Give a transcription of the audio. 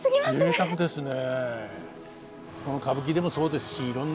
ぜいたくですね。